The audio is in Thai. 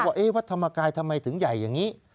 วัดธรรมกายทำไมถึงใหญ่อย่างนี้